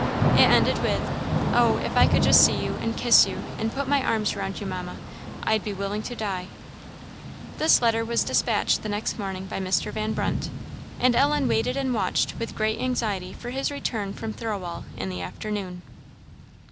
It ended with "Oh, if I could just see you, and kiss you, and put my arms round you, Mamma, I'd be willing to die!" This letter was dispatched the next morning by Mr. Van Brunt; and Ellen waited and watched with great anxiety for his return from Thirlwall in the afternoon.